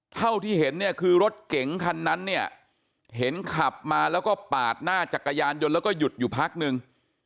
เท่าที่เห็นเนี่ยคือรถเก๋งคันนั้นเนี่ยเห็นขับมาแล้วก็ปาดหน้าจักรยานยนต์แล้วก็หยุดอยู่พักนึง